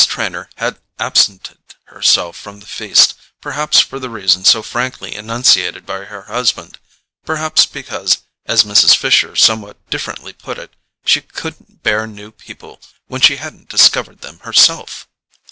Trenor had absented herself from the feast, perhaps for the reason so frankly enunciated by her husband, perhaps because, as Mrs. Fisher somewhat differently put it, she "couldn't bear new people when she hadn't discovered them herself."